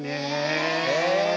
え！